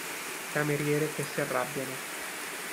Cameriere che si arrabbiano.